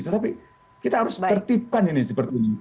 tetapi kita harus tertipkan ini seperti ini